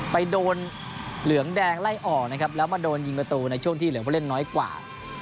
ไปโดนเหลืองแดงไล่ออกนะครับแล้วมาโดนยิงประตูในช่วงที่เหลือผู้เล่นน้อยกว่า